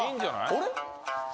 あれ？